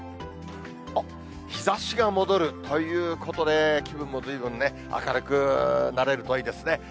あっ、日ざしが戻るということで、気分もずいぶんね、明るくなれるといいですね。